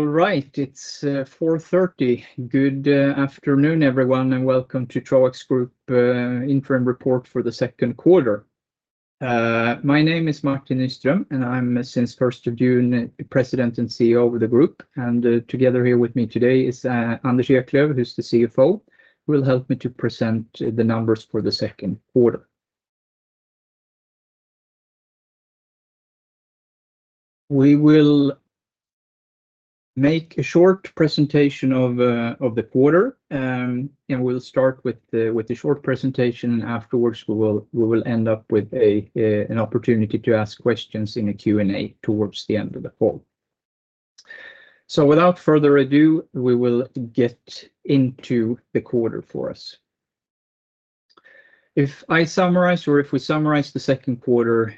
All right, it's 4:30 P.M. Good afternoon, everyone, and welcome to Troax Group interim report for the second quarter. My name is Martin Nyström, and I'm, since first of June, President and CEO of the group. Together here with me today is Anders Eklöf, who's the CFO, who will help me to present the numbers for the second quarter. We will make a short presentation of the quarter, and we'll start with the short presentation, and afterwards, we will end up with an opportunity to ask questions in a Q&A towards the end of the call. Without further ado, we will get into the quarter for us. If I summarize or if we summarize the second quarter,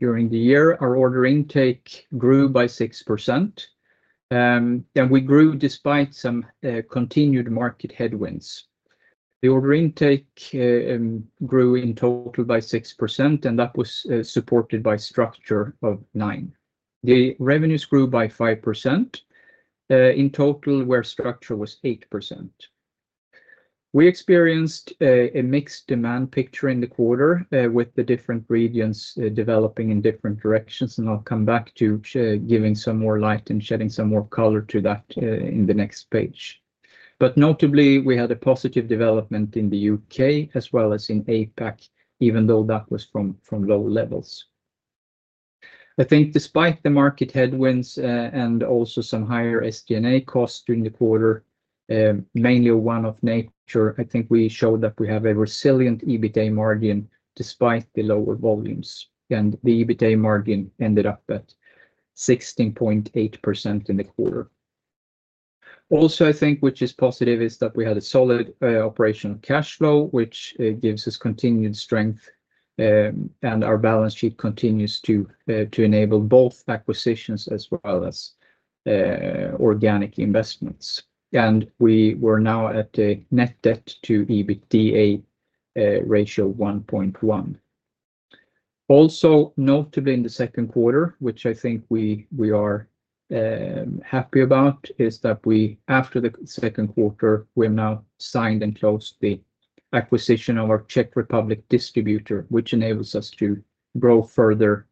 during the year, our order intake grew by 6%. We grew despite some continued market headwinds. The order intake grew in total by 6%, and that was supported by acquisitions of 9. The revenues grew by 5% in total, where acquisitions was 8%. We experienced a mixed demand picture in the quarter, with the different regions developing in different directions, and I'll come back to giving some more light and shedding some more color to that, in the next page. But notably, we had a positive development in the U.K. as well as in APAC, even though that was from low levels. I think despite the market headwinds, and also some higher SG&A costs during the quarter, mainly a one-off nature, I think we showed that we have a resilient EBITA margin despite the lower volumes, and the EBITA margin ended up at 16.8% in the quarter. Also, I think, which is positive, is that we had a solid, operational cash flow, which gives us continued strength, and our balance sheet continues to enable both acquisitions as well as organic investments. And we were now at a net debt to EBITDA ratio 1.1. Also, notably in the second quarter, which I think we are happy about, is that we, after the second quarter, we have now signed and closed the acquisition of our Czech Republic distributor, which enables us to grow further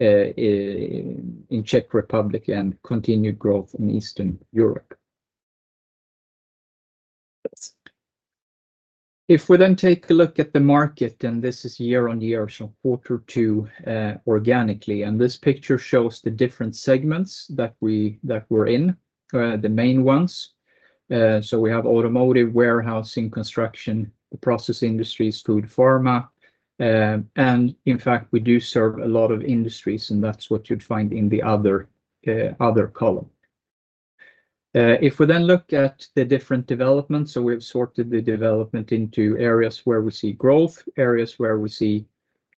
in Czech Republic and continued growth in Eastern Europe. If we then take a look at the market, and this is year on year, so quarter two organically, and this picture shows the different segments that we're in, the main ones. So we have automotive, warehousing, construction, process industries, food, pharma, and in fact, we do serve a lot of industries, and that's what you'd find in the other other column. If we then look at the different developments, so we've sorted the development into areas where we see growth, areas where we see...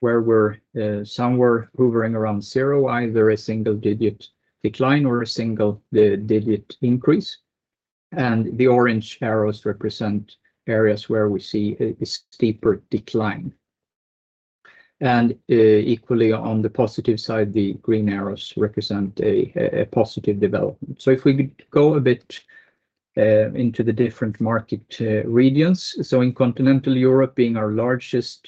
where we're somewhere hovering around zero, either a single-digit decline or a single-digit increase. And the orange arrows represent areas where we see a steeper decline. And equally, on the positive side, the green arrows represent a positive development. So if we go a bit into the different market regions, so in Continental Europe being our largest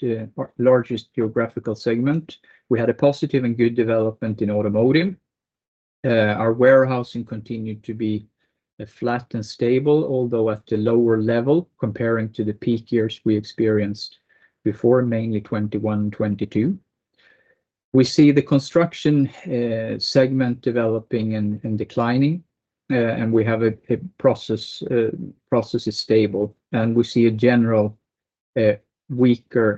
geographical segment, we had a positive and good development in automotive. Our warehousing continued to be flat and stable, although at a lower level, comparing to the peak years we experienced before, mainly 2021, 2022. We see the construction segment developing and declining, and we have a process is stable, and we see a general weaker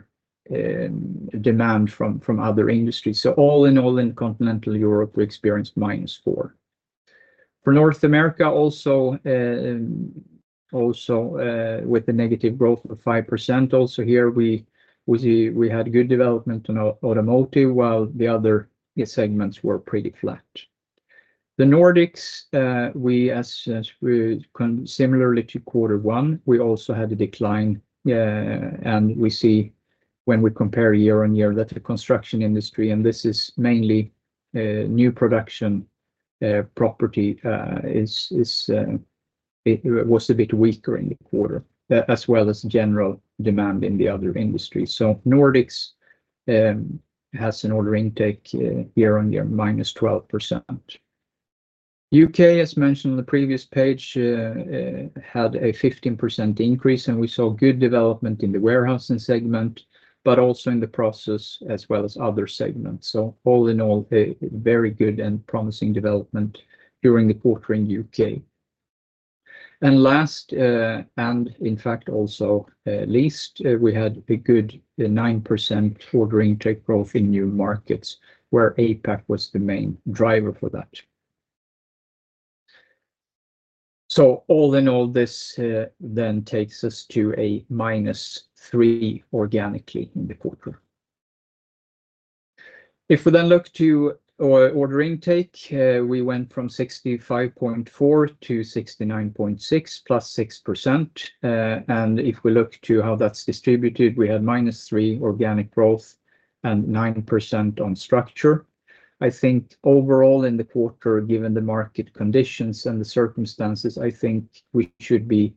demand from other industries. So all in all, in Continental Europe, we experienced -4%. For North America, also, also, with the negative growth of 5%, also here, we see we had good development in automotive, while the other segments were pretty flat. The Nordics, we, as we similarly to quarter one, we also had a decline, and we see when we compare year-on-year, that the construction industry, and this is mainly new production, property, is, it was a bit weaker in the quarter, as well as general demand in the other industries. So Nordics has an order intake year-on-year, -12%. UK, as mentioned on the previous page, had a 15% increase, and we saw good development in the warehousing segment, but also in the process as well as other segments. So all in all, a very good and promising development during the quarter in UK. And last but not least, we had a good 9% order intake growth in new markets, where APAC was the main driver for that. So all in all, this then takes us to a -3 organically in the quarter. If we then look to our order intake, we went from 65.4 million to 69.6 million, +6%. And if we look to how that's distributed, we had -3% organic growth and 9% on structure. I think overall in the quarter, given the market conditions and the circumstances, I think we should be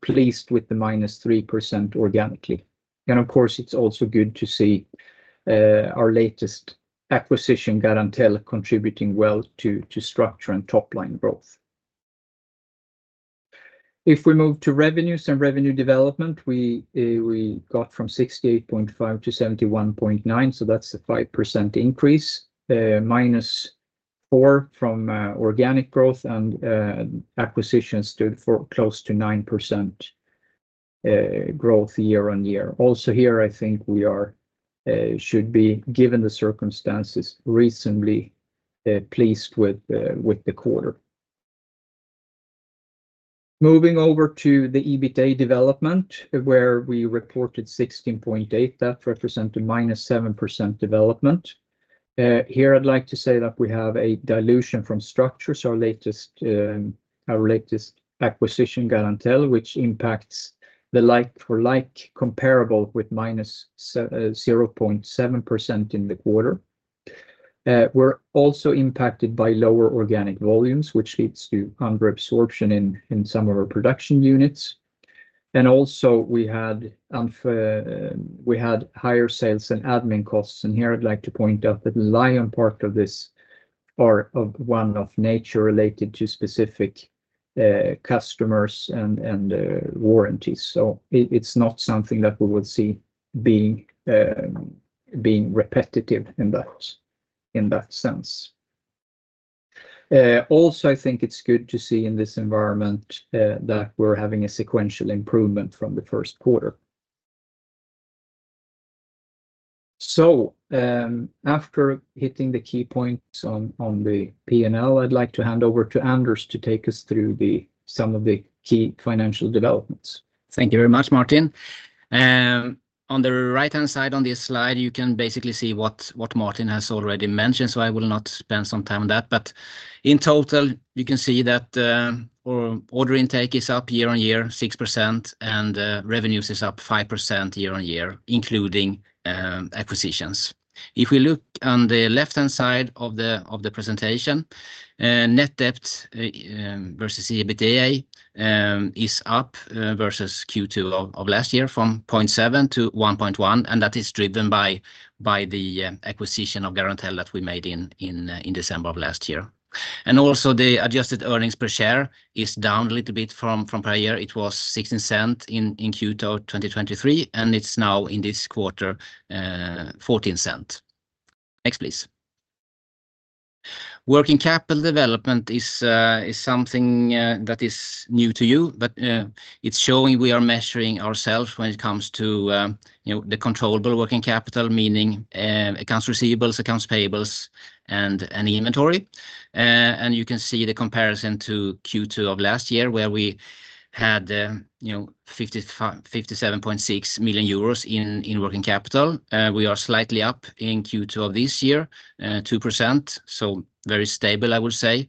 pleased with the -3% organically. And of course, it's also good to see our latest acquisition, Garantell, contributing well to structure and top-line growth. If we move to revenues and revenue development, we got from 68.5 to 71.9, so that's a 5% increase, minus 4% from organic growth, and acquisitions stood for close to 9% growth year-on-year. Also here, I think we should be, given the circumstances, reasonably pleased with the quarter. Moving over to the EBITA development, where we reported 16.8, that represented -7% development. Here I'd like to say that we have a dilution from structures, our latest acquisition, Garantell, which impacts the like for like comparable with -0.7% in the quarter. We're also impacted by lower organic volumes, which leads to under absorption in some of our production units. Also, we had higher sales and admin costs, and here I'd like to point out that the lion's share of this is of a one-off nature related to specific customers and warranties. So it's not something that we would see being repetitive in that sense. Also, I think it's good to see in this environment that we're having a sequential improvement from the first quarter. So, after hitting the key points on the P&L, I'd like to hand over to Anders to take us through some of the key financial developments. Thank you very much, Martin. On the right-hand side on this slide, you can basically see what Martin has already mentioned, so I will not spend some time on that. But in total, you can see that our order intake is up year-on-year 6%, and revenues is up 5% year-on-year, including acquisitions. If we look on the left-hand side of the presentation, net debt versus EBITA is up versus Q2 of last year, from 0.7 to 1.1, and that is driven by the acquisition of Garantell that we made in December of last year. And also, the adjusted earnings per share is down a little bit from prior year. It was 0.16 in Q2 of 2023, and it's now, in this quarter, 0.14. Next, please. Working capital development is something that is new to you, but it's showing we are measuring ourselves when it comes to, you know, the controllable working capital, meaning accounts receivables, accounts payables, and inventory. And you can see the comparison to Q2 of last year, where we had, you know, 57.6 million euros in working capital. We are slightly up in Q2 of this year, 2%, so very stable, I would say.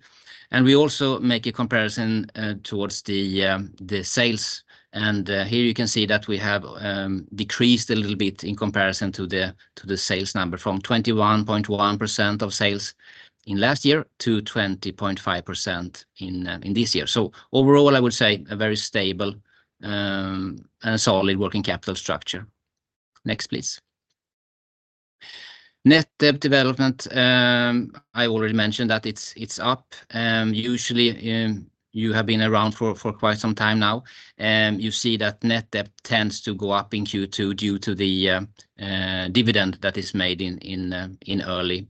We also make a comparison towards the sales, and here you can see that we have decreased a little bit in comparison to the sales number, from 21.1% of sales in last year to 20.5% in this year. So overall, I would say a very stable and a solid working capital structure. Next, please. Net debt development, I already mentioned that it's up. Usually, you have been around for quite some time now, you see that net debt tends to go up in Q2 due to the dividend that is made in early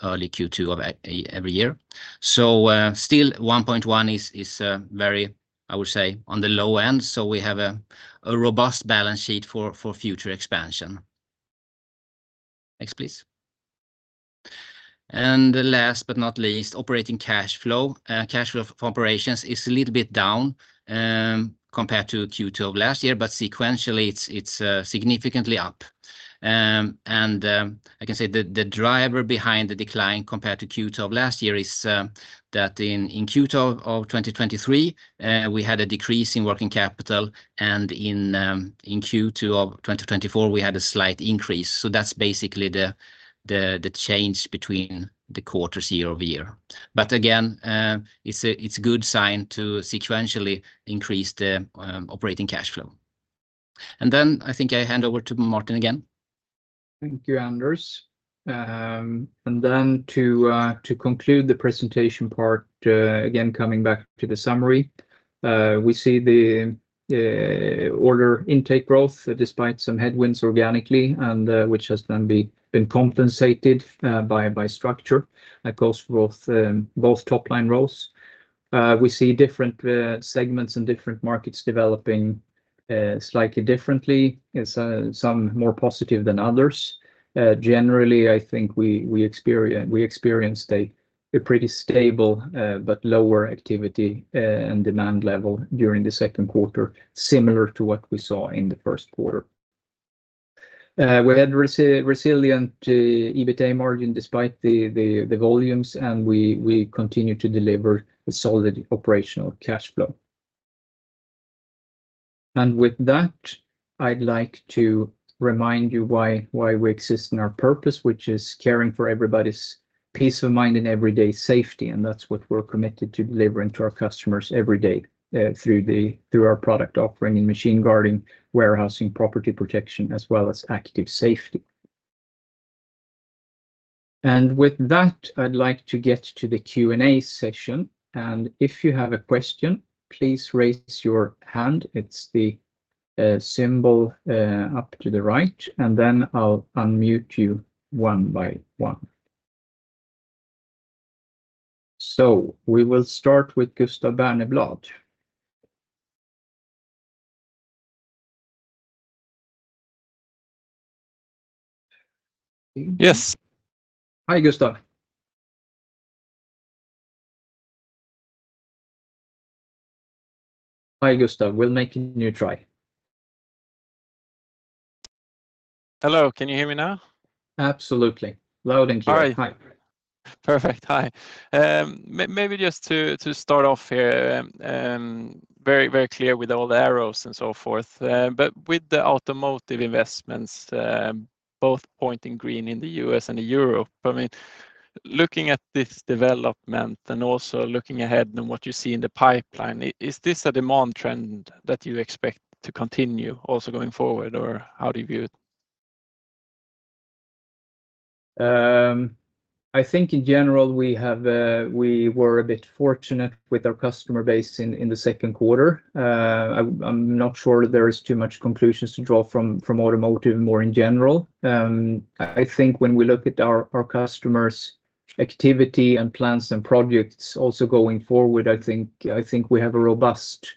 Q2 of every year. So, still, 1.1 is very, I would say, on the low end, so we have a robust balance sheet for future expansion. Next, please. And last but not least, operating cash flow. Cash flow for operations is a little bit down, compared to Q2 of last year, but sequentially it's significantly up. And I can say the driver behind the decline compared to Q2 of last year is that in Q2 of 2023 we had a decrease in working capital, and in Q2 of 2024 we had a slight increase. So that's basically the change between the quarters year over year. But again, it's a good sign to sequentially increase the operating cash flow. And then I think I hand over to Martin again. Thank you, Anders. Then, to conclude the presentation part, again, coming back to the summary, we see the order intake growth, despite some headwinds organically, and which has then been compensated by structure. That goes for both top-line roles. We see different segments and different markets developing slightly differently. Some more positive than others. Generally, I think we experienced a pretty stable but lower activity and demand level during the second quarter, similar to what we saw in the first quarter. We had resilient EBITA margin despite the volumes, and we continue to deliver a solid operational cash flow. With that, I'd like to remind you why we exist and our purpose, which is caring for everybody's peace of mind and everyday safety, and that's what we're committed to delivering to our customers every day through our product offering in machine guarding, warehousing, property protection, as well as active safety. With that, I'd like to get to the Q&A session, and if you have a question, please raise your hand. It's the symbol up to the right, and then I'll unmute you one by one. So we will start with Gustav Berneblad. Yes. Hi, Gustav. Hi, Gustav. We'll make a new try. Hello. Can you hear me now? Absolutely. Loud and clear. All right. Hi. Perfect. Hi. Maybe just to start off here, very clear with all the arrows and so forth, but with the automotive investments, both pointing green in the U.S. and Europe, I mean, looking at this development and also looking ahead and what you see in the pipeline, is this a demand trend that you expect to continue also going forward, or how do you view it? I think in general, we have we were a bit fortunate with our customer base in the second quarter. I, I'm not sure there is too much conclusions to draw from automotive more in general. I think when we look at our customers' activity and plans and projects also going forward, I think we have a robust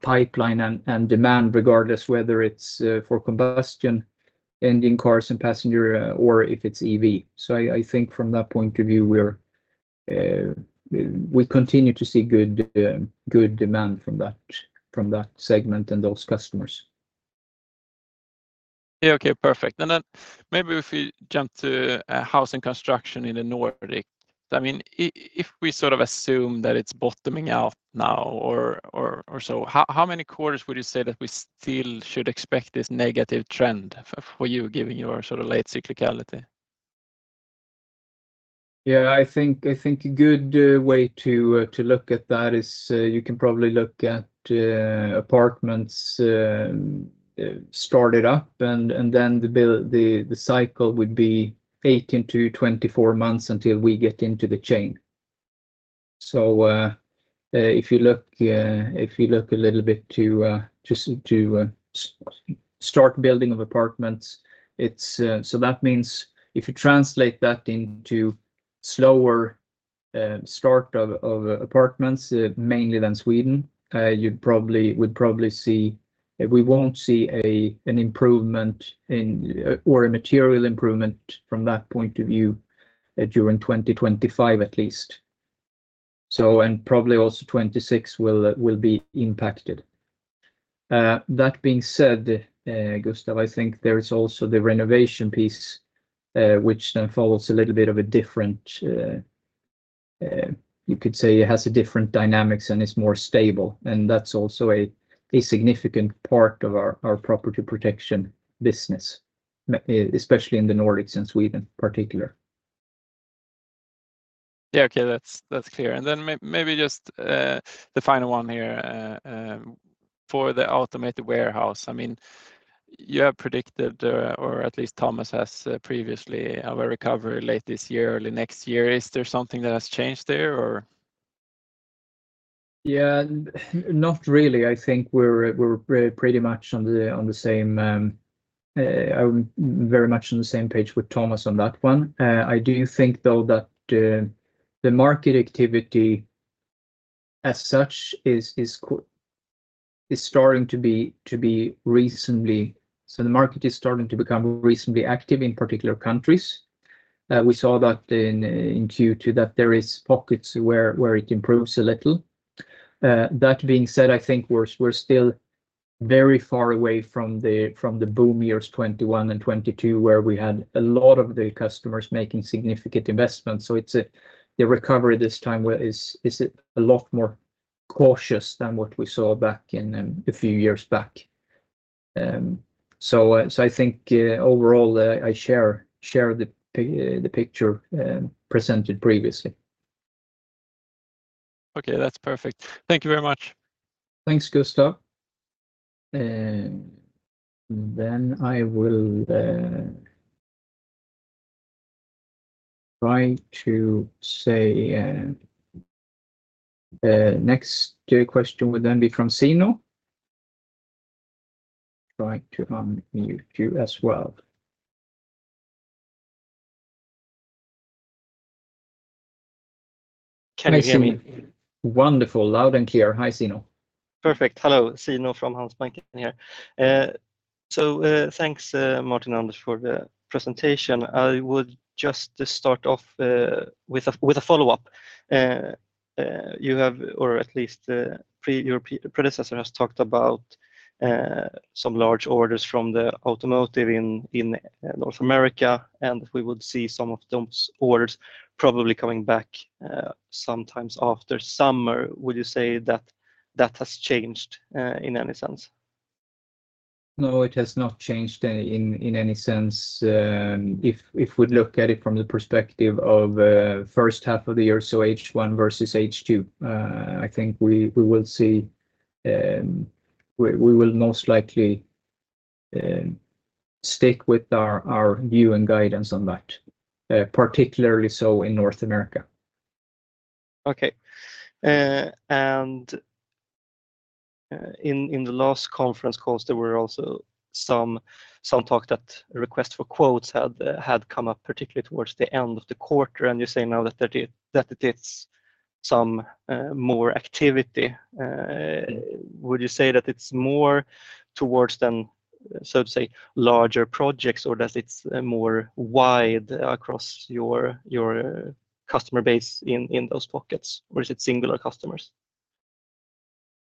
pipeline and demand, regardless whether it's for combustion engine cars and passenger, or if it's EV. So I think from that point of view, we're we continue to see good good demand from that segment and those customers. Yeah, okay, perfect. And then maybe if we jump to housing and construction in the Nordic. I mean, if we sort of assume that it's bottoming out now or so, how many quarters would you say that we still should expect this negative trend for you, given your sort of late cyclicality? Yeah, I think a good way to look at that is you can probably look at apartments started up, and then the build cycle would be 18-24 months until we get into the chain. So, if you look a little bit to just to start building of apartments, it's... So that means if you translate that into slower start of apartments, mainly in Sweden, you'd probably see we won't see an improvement in, or a material improvement from that point of view, during 2025, at least. So, and probably also 2026 will be impacted. That being said, Gustav, I think there is also the renovation piece, which then follows a little bit of a different, you could say it has a different dynamics and is more stable, and that's also a significant part of our property protection business, especially in the Nordics and Sweden in particular. Yeah, okay, that's clear. And then maybe just the final one here for the automated warehouse. I mean, you have predicted, or at least Thomas has previously, of a recovery late this year, early next year. Is there something that has changed there, or? Yeah, not really. I think we're pretty much on the same, very much on the same page with Thomas on that one. I do think, though, that the market activity as such is starting to be recently. So the market is starting to become recently active in particular countries. We saw that in Q2, that there are pockets where it improves a little. That being said, I think we're still very far away from the boom years 2021 and 2022, where we had a lot of the customers making significant investments. So it's the recovery this time is a lot more cautious than what we saw back in a few years back. So, I think overall, I share the picture presented previously. Okay, that's perfect. Thank you very much. Thanks, Gustav. And then I will try to say the next question would then be from SZZZZno. Try to unmute you as well. Can you hear me? Wonderful. Loud and clear. Hi, Zino. Perfect. Hello, Zino from Handelsbanken here. So, thanks, Martin and Anders for the presentation. I would just start off with a follow-up. You have, or at least, your predecessor has talked about some large orders from the automotive in North America, and we would see some of those orders probably coming back sometimes after summer. Would you say that that has changed in any sense? No, it has not changed in any sense. If we look at it from the perspective of first half of the year, so H1 versus H2, I think we will see we will most likely stick with our view and guidance on that, particularly so in North America. Okay. And, in the last conference calls, there were also some, some talk that request for quotes had come up, particularly towards the end of the quarter, and you say now that it is some more activity. Would you say that it's more towards then, so to say, larger projects, or does it's more wide across your customer base in those pockets, or is it singular customers?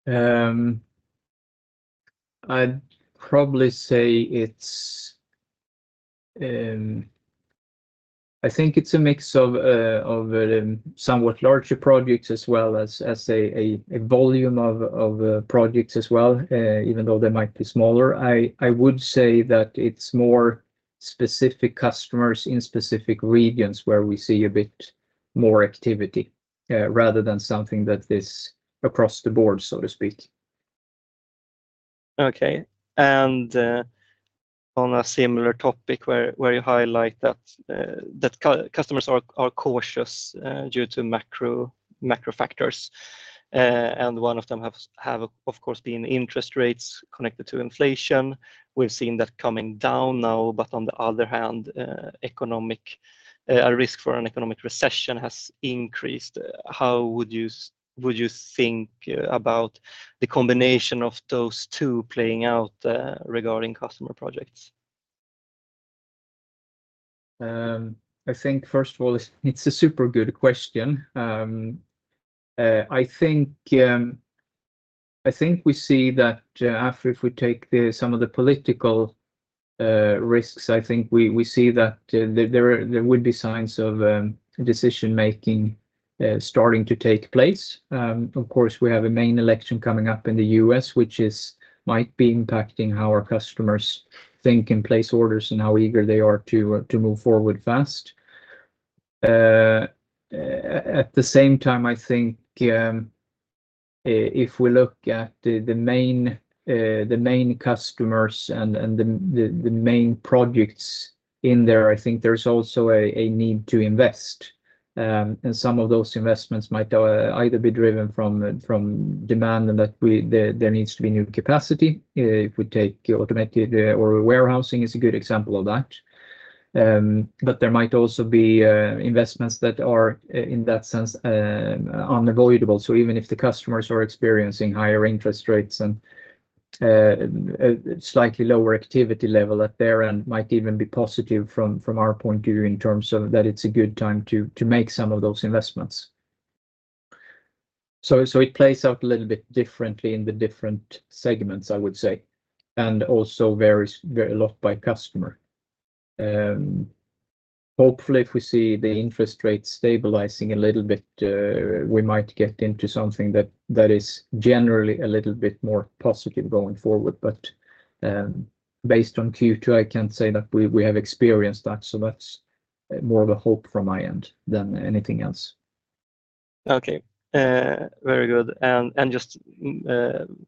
I'd probably say it's. I think it's a mix of somewhat larger projects as well as a volume of projects as well, even though they might be smaller. I would say that it's more specific customers in specific regions where we see a bit more activity, rather than something that is across the board, so to speak. Okay. On a similar topic, where you highlight that customers are cautious due to macro factors, and one of them have, of course, been interest rates connected to inflation. We've seen that coming down now, but on the other hand, a risk for an economic recession has increased. How would you think about the combination of those two playing out regarding customer projects? I think, first of all, it's a super good question. I think we see that, after we take some of the political risks, I think we see that there would be signs of decision-making starting to take place. Of course, we have a main election coming up in the U.S., which might be impacting how our customers think and place orders and how eager they are to move forward fast. At the same time, I think, if we look at the main customers and the main projects in there, I think there's also a need to invest. And some of those investments might either be driven from demand and that there needs to be new capacity. If we take automated or warehousing is a good example of that. But there might also be investments that are in that sense unavoidable. So even if the customers are experiencing higher interest rates and a slightly lower activity level at their end, might even be positive from our point of view, in terms of that it's a good time to make some of those investments. So it plays out a little bit differently in the different segments, I would say, and also varies a lot by customer. Hopefully, if we see the interest rate stabilizing a little bit, we might get into something that, that is generally a little bit more positive going forward. But, based on Q2, I can't say that we, we have experienced that, so that's more of a hope from my end than anything else. Okay. Very good. And just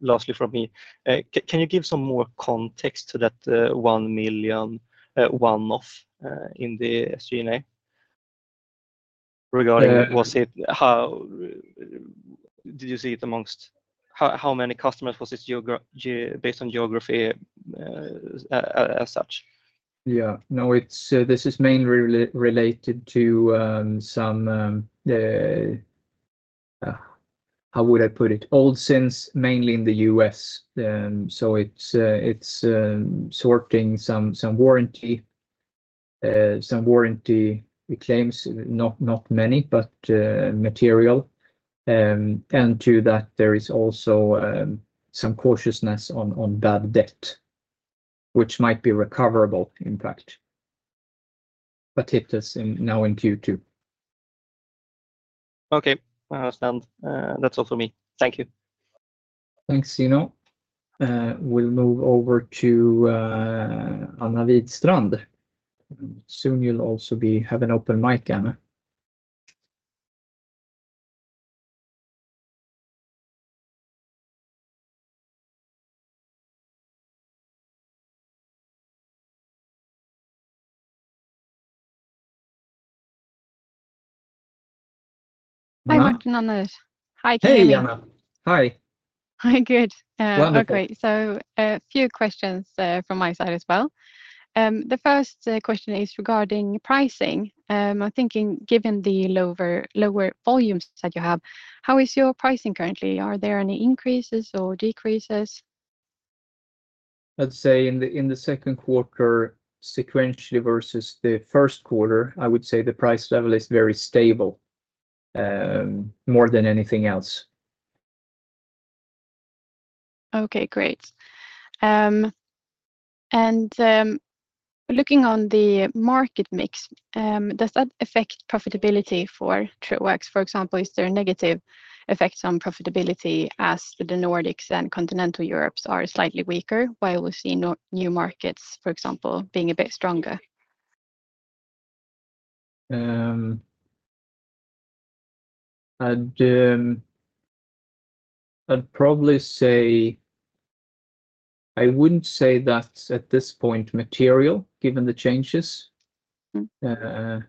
lastly from me, can you give some more context to that 1 million one-off in the SG&A? Regarding- Yeah... was it, how did you see it amongst how many customers was this geography based on geography, as such? Yeah. No, it's this is mainly related to some how would I put it? Old sins, mainly in the US. So it's sorting some warranty claims, not many, but material. And to that, there is also some cautiousness on bad debt, which might be recoverable, in fact, but it is now in Q2. Okay, I understand. That's all for me. Thank you. Thanks, Zino. We'll move over to Anna Widström. Soon you'll also be, have an open mic, Anna. Anna? Hi, Martin and others. Hi, Kevin. Hey, Anna. Hi. Hi, good. Wonderful. Okay, so a few questions from my side as well. The first question is regarding pricing. I'm thinking, given the lower, lower volumes that you have, how is your pricing currently? Are there any increases or decreases? I'd say in the second quarter, sequentially versus the first quarter, I would say the price level is very stable. More than anything else. Okay, great. Looking on the market mix, does that affect profitability for Troax? For example, is there a negative effect on profitability as the Nordics and Continental Europe are slightly weaker, while we see North America, for example, being a bit stronger? I'd probably say, I wouldn't say that's at this point material, given the changes. Mm-hmm.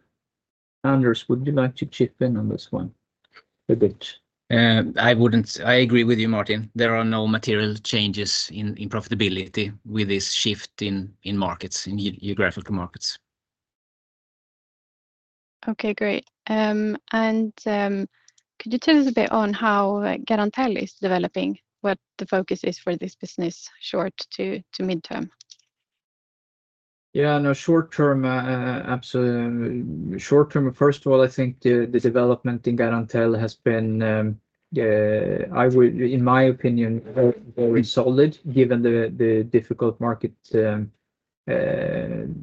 Anders, would you like to chip in on this one a bit? I wouldn't. I agree with you, Martin. There are no material changes in profitability with this shift in markets, in geographical markets. Okay, great. Could you tell us a bit on how Garantell is developing, what the focus is for this business, short to midterm? Yeah, no short term, absolutely. Short term, first of all, I think the development in Garantell has been, I would, in my opinion, very, very solid given the difficult market, the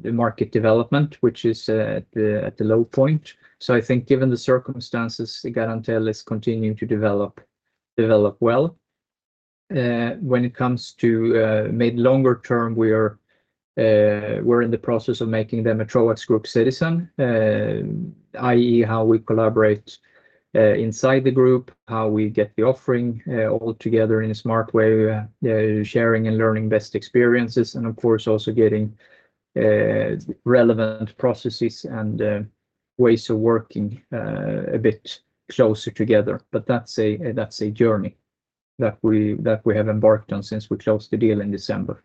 market development, which is at the low point. So I think given the circumstances, Garantell is continuing to develop well. When it comes to mid longer term, we're in the process of making them a Troax Group citizen, i.e., how we collaborate inside the group, how we get the offering all together in a smart way, sharing and learning best experiences, and of course, also getting relevant processes and ways of working a bit closer together. But that's a journey that we have embarked on since we closed the deal in December,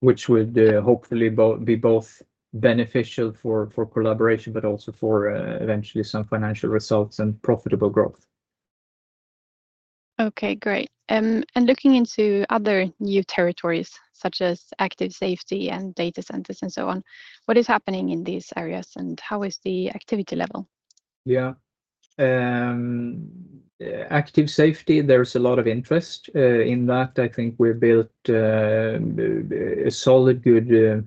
which would hopefully be both beneficial for collaboration, but also for eventually some financial results and profitable growth. Okay, great. Looking into other new territories, such as Active Safety and data centers, and so on, what is happening in these areas, and how is the activity level? Yeah. Active Safety, there's a lot of interest in that. I think we've built a solid, good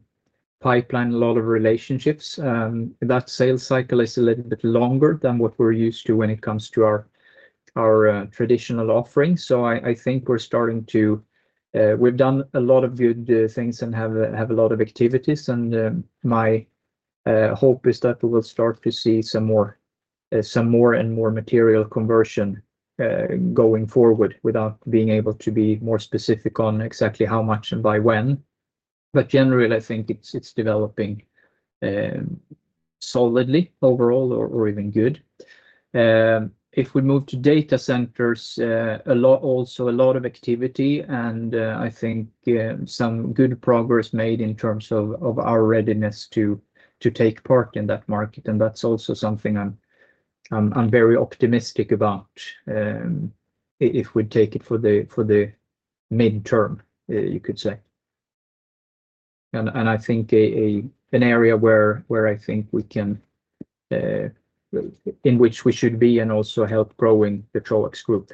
pipeline, a lot of relationships. That sales cycle is a little bit longer than what we're used to when it comes to our traditional offerings. So I think we're starting to, we've done a lot of good things and have a lot of activities, and my hope is that we will start to see some more, some more and more material conversion going forward, without being able to be more specific on exactly how much and by when. But generally, I think it's developing solidly overall or even good. If we move to data centers, also a lot of activity and I think some good progress made in terms of our readiness to take part in that market, and that's also something I'm very optimistic about. If we take it for the midterm, you could say. I think an area where I think we can in which we should be and also help growing the Troax Group.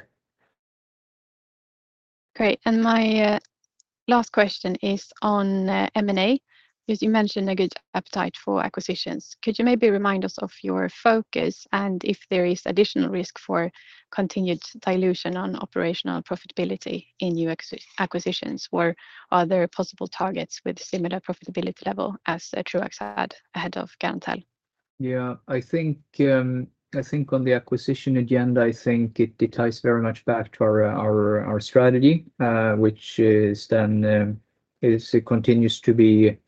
Great. And my last question is on M&A, because you mentioned a good appetite for acquisitions. Could you maybe remind us of your focus, and if there is additional risk for continued dilution on operational profitability in new acquisitions, or are there possible targets with similar profitability level as Troax had ahead of Garantell? Yeah, I think on the acquisition agenda, it ties very much back to our strategy, which then continues to be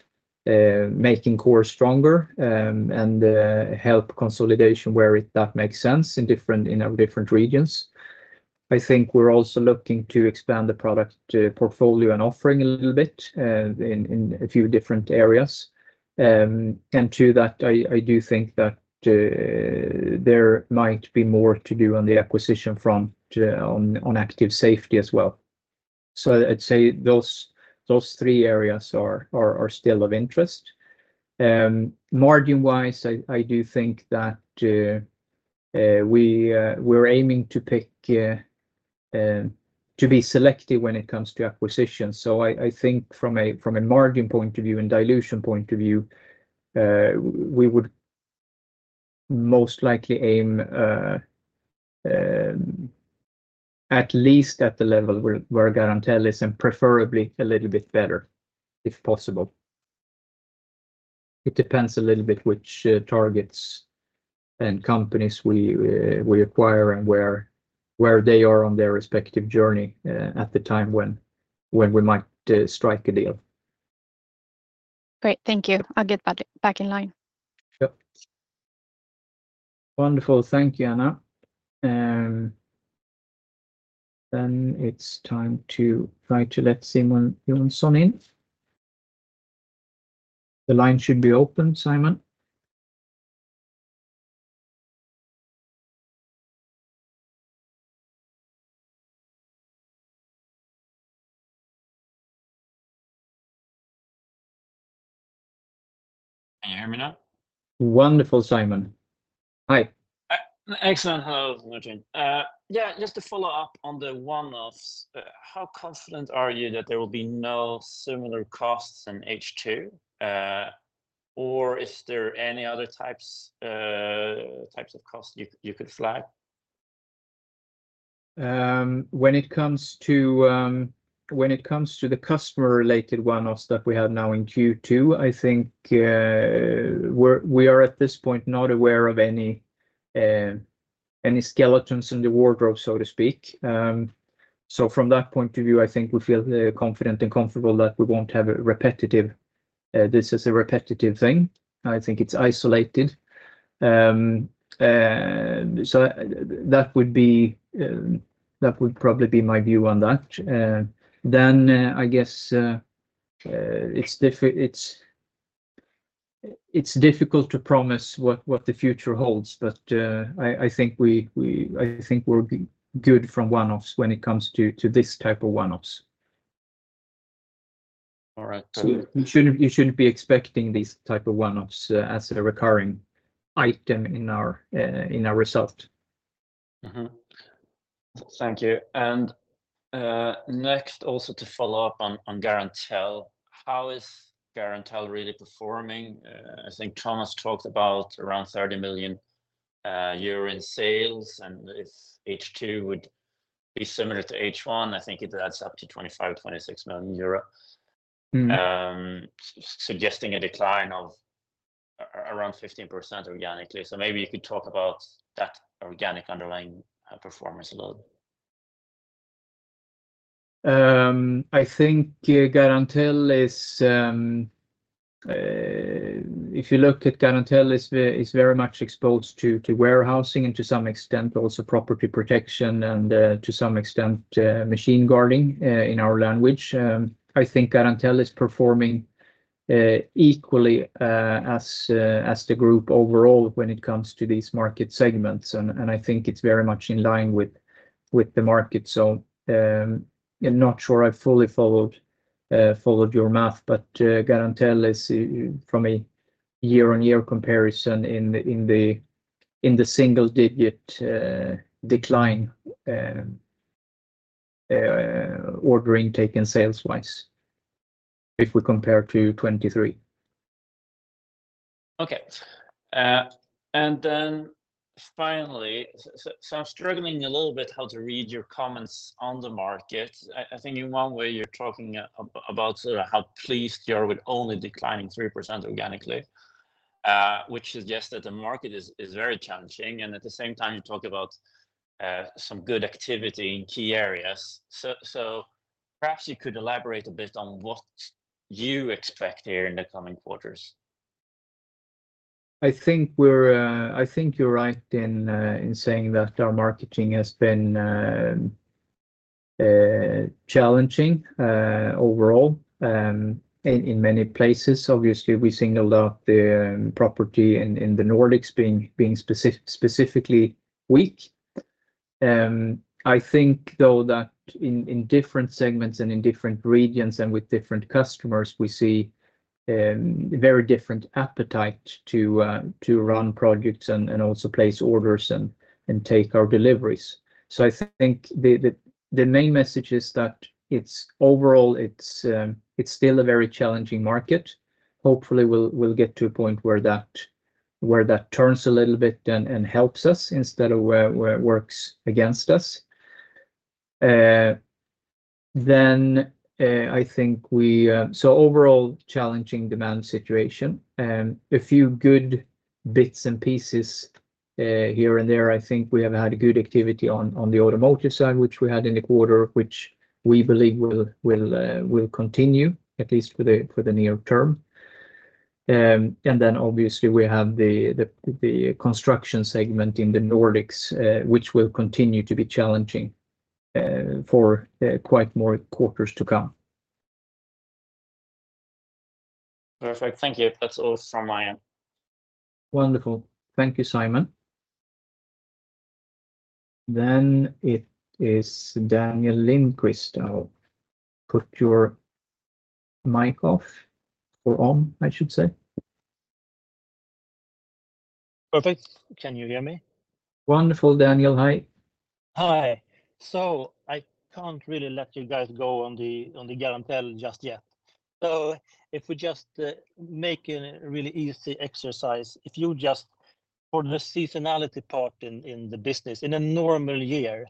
making core stronger, and help consolidation where it makes sense in our different regions. I think we're also looking to expand the product portfolio and offering a little bit in a few different areas. To that, I do think that there might be more to do on the acquisition front on Active Safety as well. So I'd say those three areas are still of interest. Margin-wise, I do think that we're aiming to be selective when it comes to acquisitions. I think from a margin point of view and dilution point of view, we would most likely aim at least at the level where Garantell is and preferably a little bit better, if possible. It depends a little bit which targets and companies we acquire and where they are on their respective journey at the time when we might strike a deal. Great. Thank you. I'll get back in line. Yep. Wonderful. Thank you, Anna. Then it's time to try to let Simon Jonsson in. The line should be open, Simon?... Can you hear me now? Wonderful, Simon. Hi. Excellent. Hello, Martin. Yeah, just to follow up on the one-offs, how confident are you that there will be no similar costs in H2? Or is there any other types of costs you could flag? When it comes to the customer-related one-offs that we have now in Q2, I think we are, at this point, not aware of any skeletons in the wardrobe, so to speak. So from that point of view, I think we feel confident and comfortable that we won't have a repetitive, this is a repetitive thing. I think it's isolated. So that would be that would probably be my view on that. Then I guess it's difficult to promise what the future holds, but I think we're good from one-offs when it comes to this type of one-offs. All right. You shouldn't, you shouldn't be expecting these type of one-offs as a recurring item in our, in our result. Mm-hmm. Thank you. And next, also to follow up on Garantell. How is Garantell really performing? I think Thomas talked about around 30 million euro in sales, and if H2 would be similar to H1, I think it adds up to 25-26 million euro. Mm. Suggesting a decline of around 15% organically. So maybe you could talk about that organic underlying performance a little. I think Garantell is. If you look at Garantell, it's very much exposed to warehousing, and to some extent, also property protection, and to some extent, machine guarding, in our language. I think Garantell is performing equally as the group overall when it comes to these market segments, and I think it's very much in line with the market. So, I'm not sure I've fully followed your math, but Garantell is, from a year-on-year comparison in the single digit decline, ordering taken sales-wise, if we compare to 2023. Okay, and then finally, so I'm struggling a little bit how to read your comments on the market. I think in one way you're talking about sort of how pleased you are with only declining 3% organically, which suggests that the market is very challenging, and at the same time, you talk about some good activity in key areas. So perhaps you could elaborate a bit on what you expect here in the coming quarters. I think we're... I think you're right in saying that our marketing has been challenging overall in many places. Obviously, we single out the property in the Nordics being specifically weak. I think, though, that in different segments and in different regions and with different customers, we see very different appetite to run projects and also place orders and take our deliveries. So I think the main message is that it's overall, it's still a very challenging market. Hopefully, we'll get to a point where that turns a little bit and helps us instead of where it works against us. Then, I think we so overall, challenging demand situation and a few good bits and pieces here and there. I think we have had a good activity on the automotive side, which we had in the quarter, which we believe will continue, at least for the near term. And then obviously, we have the construction segment in the Nordics, which will continue to be challenging, for quite more quarters to come. Perfect. Thank you. That's all from my end. Wonderful. Thank you, Simon. Then it is Daniel Lindkvist. Now, put your mic off, or on, I should say. Perfect. Can you hear me? Wonderful, Daniel. Hi. Hi. So I can't really let you guys go on the Garantell just yet. So if we just make a really easy exercise, if you just for the seasonality part in the business, in a normal year,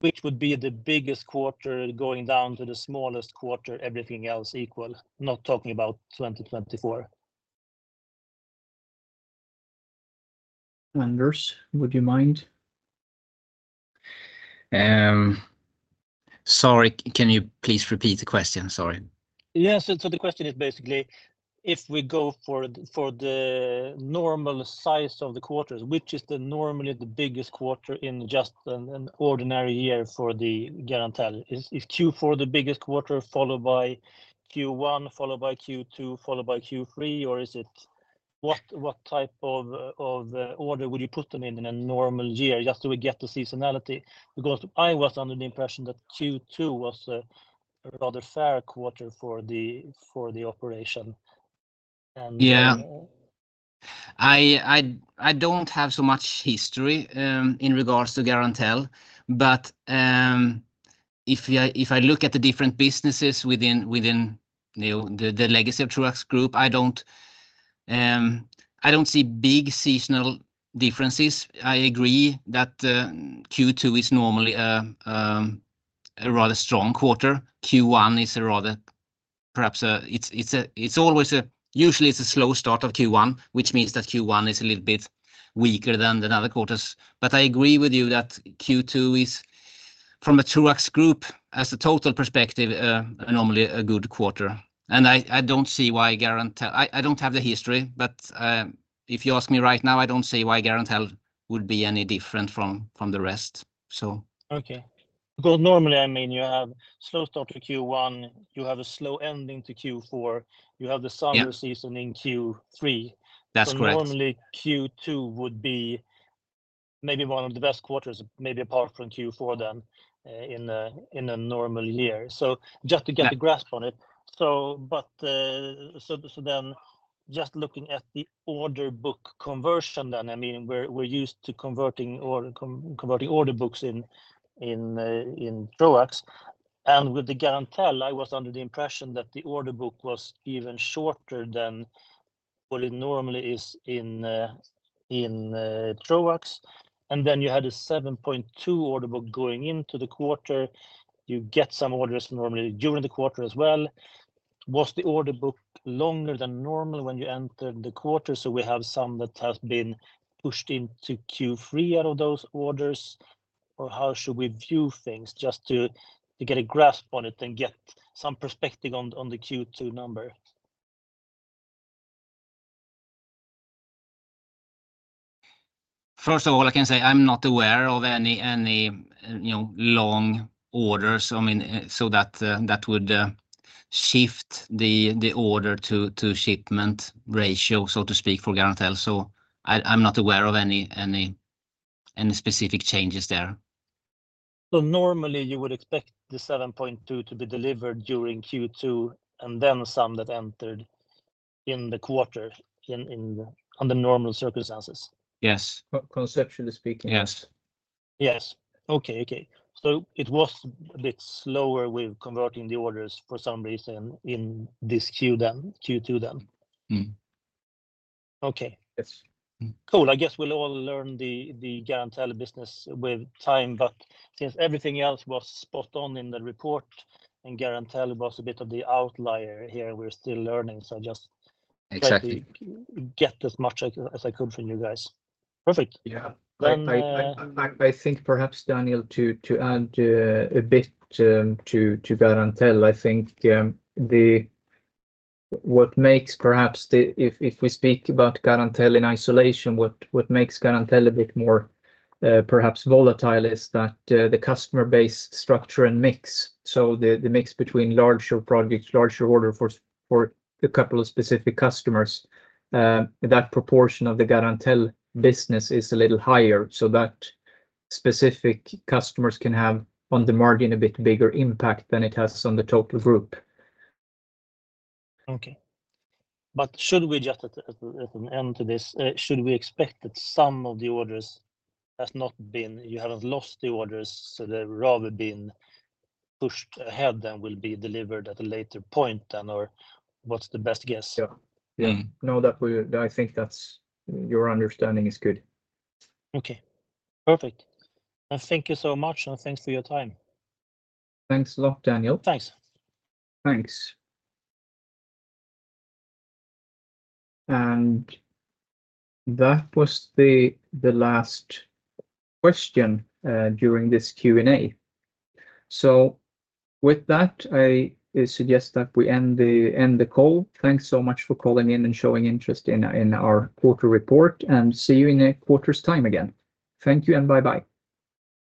which would be the biggest quarter going down to the smallest quarter, everything else equal, not talking about 2024? Anders, would you mind? Sorry, can you please repeat the question? Sorry. Yes, so the question is basically, if we go for the normal size of the quarters, which is normally the biggest quarter in just an ordinary year for the Garantell? Is Q4 the biggest quarter, followed by Q1, followed by Q2, followed by Q3, or is it what type of order would you put them in, in a normal year, just so we get the seasonality? Because I was under the impression that Q2 was a rather fair quarter for the operation, and- Yeah. I don't have so much history in regards to Garantell, but if I look at the different businesses within, within you know, the legacy of Troax Group, I don't see big seasonal differences. I agree that Q2 is normally a rather strong quarter. Q1 is a rather, perhaps it's usually a slow start of Q1, which means that Q1 is a little bit weaker than the other quarters. But I agree with you that Q2 is, from a Troax Group, as a total perspective, normally a good quarter, and I don't see why Garantell... I don't have the history, but if you ask me right now, I don't see why Garantell would be any different from the rest, so. Okay. Because normally, I mean, you have slow start to Q1, you have a slow ending to Q4, you have the summer... Yeah... season in Q3. That's correct. So normally, Q2 would be maybe one of the best quarters, maybe apart from Q4, then, in a normal year. So just to get- Yeah... a grasp on it. So, but, so then just looking at the order book conversion, then, I mean, we're used to converting order books in Troax. And with the Garantell, I was under the impression that the order book was even shorter than what it normally is in Troax. And then you had a 7.2 order book going into the quarter. You get some orders normally during the quarter as well. Was the order book longer than normal when you entered the quarter, so we have some that has been pushed into Q3 out of those orders? Or how should we view things, just to get a grasp on it and get some perspective on the Q2 number? First of all, I can say I'm not aware of any, any, you know, long orders. I mean, so that would shift the order to shipment ratio, so to speak, for Garantell. So, I'm not aware of any, any, any specific changes there. Normally you would expect the 7.2 to be delivered during Q2, and then some that entered in the quarter, on the normal circumstances? Yes. Conceptually speaking, yes. Yes. Okay, okay. So it was a bit slower with converting the orders for some reason in this Q then, Q2 then? Mm-hmm. Okay. Yes. Cool. I guess we'll all learn the Garantell business with time, but since everything else was spot on in the report, and Garantell was a bit of the outlier here, we're still learning. So just- Exactly... trying to get as much as, as I could from you guys. Perfect. Yeah. Then, uh- I think perhaps, Daniel, to add a bit to Garantell, I think what makes, if we speak about Garantell in isolation, what makes Garantell a bit more perhaps volatile is that the customer base structure and mix, so the mix between larger projects, larger order for a couple of specific customers, that proportion of the Garantell business is a little higher, so that specific customers can have, on the margin, a bit bigger impact than it has on the total group. Okay. But should we just, as an end to this, should we expect that some of the orders has not been... You haven't lost the orders, so they've rather been pushed ahead, then will be delivered at a later point, then, or what's the best guess? Yeah. Mm-hmm. Yeah. No, that, I think that's, your understanding is good. Okay, perfect. Thank you so much, and thanks for your time. Thanks a lot, Daniel. Thanks. Thanks. And that was the last question during this Q&A. So with that, I suggest that we end the call. Thanks so much for calling in and showing interest in our quarter report, and see you in a quarter's time again. Thank you, and bye-bye.